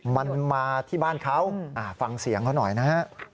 มันมาที่บ้านเขาฟังเสียงเขาหน่อยนะฮะ